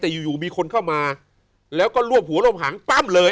แต่อยู่มีคนเข้ามาแล้วก็ร่วบหัวเริ่มห่างบ้ับใบเลย